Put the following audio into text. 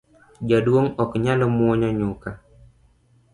Jaduong’ ok nyal mwonyo nyuka